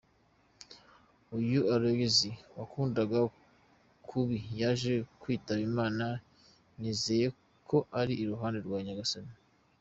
Uyu Aloys wankundaga kubi yaje kwitaba Imana nizeye ko ari iruhande rwa Nyagasani.